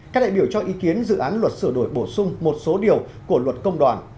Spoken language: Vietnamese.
các đại biểu cho ý kiến dự án luật sửa đổi bổ sung một số điều của luật công đoàn